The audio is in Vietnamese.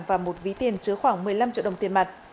và một ví tiền chứa khoảng một mươi năm triệu đồng tiền mặt